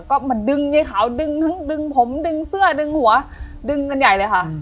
ก็มาดึงยายขาวดึงทั้งดึงผมดึงเสื้อดึงหัวดึงกันใหญ่เลยค่ะ